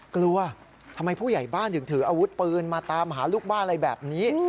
กลัวทำไมผู้ใหญ่บ้านถึงถืออาวุธปืนมาตามหาลูกบ้านอะไรแบบนี้